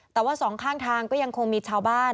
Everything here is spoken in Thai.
แต่ว่าสองข้างทางก็ยังคงมีชาวบ้าน